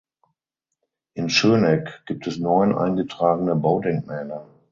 In Schönegg gibt es neun eingetragene Baudenkmäler.